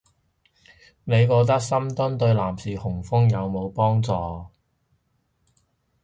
你覺得深蹲對男士雄風有冇幫助